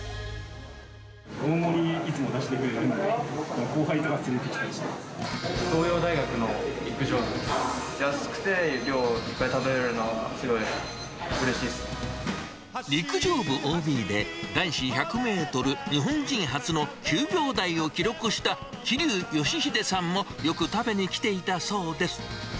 大盛りいつも出してくれるので、東洋大学の陸上部です。安くて、量いっぱい食べられ陸上部ＯＢで、男子１００メートル日本人初の９秒台を記録した桐生祥秀さんも、よく食べに来ていたそうです。